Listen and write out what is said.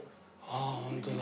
あホントだ。